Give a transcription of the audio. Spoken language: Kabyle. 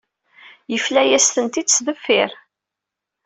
Yafla-yas-tent-id s deffir.